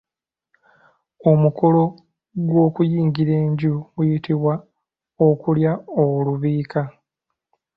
Omukolo ogw'okuyingira enju guyitibwa okulya olubiika.